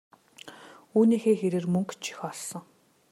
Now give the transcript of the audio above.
Үүнийхээ хэрээр мөнгө ч их олсон.